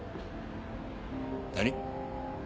何？